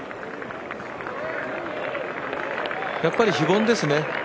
やっぱり非凡ですね。